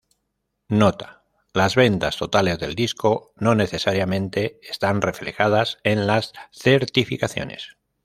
Nota: "Las ventas totales del disco no necesariamente están reflejadas en las certificaciones.